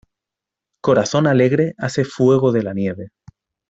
Corazón alegre hace fuego de la nieve.